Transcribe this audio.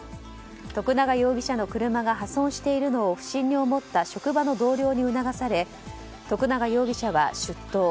徳永容疑者の車が破損しているのを不審に思った職場の同僚に促され徳永容疑者は出頭。